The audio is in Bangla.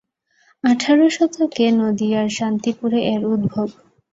আঠারো শতকে নদীয়ার শান্তিপুরে এর উদ্ভব।